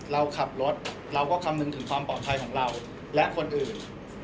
เราขับรถเราก็คำนึงถึงความปลอดภัยของเราและคนอื่น